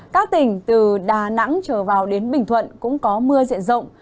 các tỉnh từ đà nẵng trở vào đến bình thuận cũng có mưa diện rộng